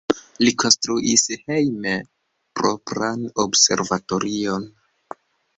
Li konstruis hejme propran observatorion.